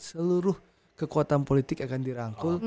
seluruh kekuatan politik akan dirangkul